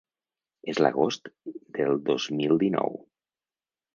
És l’agost del dos mil dinou.